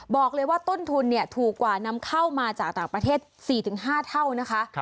บอกเลยว่าต้นทุนถูกกว่านำเข้ามาจากต่างประเทศ๔๕เท่านะคะ